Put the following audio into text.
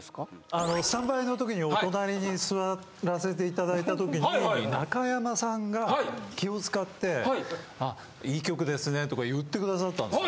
あのスタンバイの時にお隣に座らせていただいた時に中山さんが気を使って「いい曲ですね」とか言ってくださったんですよ。